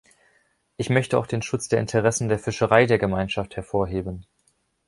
Ich möchte auch den Schutz der Interessen der Fischerei der Gemeinschaft hervorheben.